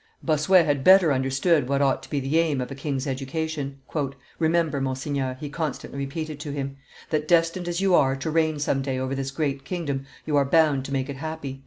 Bossuet had better understood what ought to be the aim of a king's education. "Remember, Monseigneur," he constantly repeated to him, "that destined as you are to reign some day over this great kingdom, you are bound to make it happy."